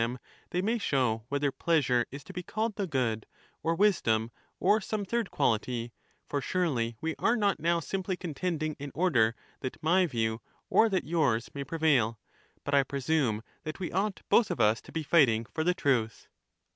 them, they may show whether pleasure is to be called the good, or wisdom, or some third quality ; for surely we are not now simply contending in order that my view or that yours may prevail, but I presume that we ought both of us to be fighting for the truth.